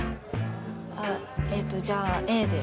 あっええっとじゃあＡで。